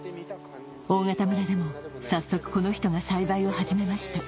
大潟村でも早速この人が栽培を始めました